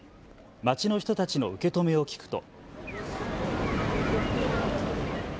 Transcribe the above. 街の人たちの受け止めを聞くと。